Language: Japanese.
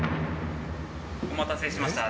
お待たせしました